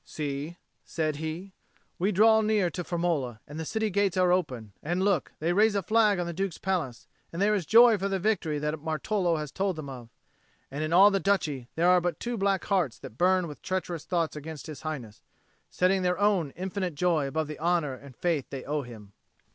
"See," said he; "we draw near to Firmola, and the city gates are open; and, look, they raise a flag on the Duke's palace; and there is joy for the victory that Martolo has told them of. And in all the Duchy there are but two black hearts that burn with treacherous thoughts against His Highness, setting their own infinite joy above the honour and faith they owe him."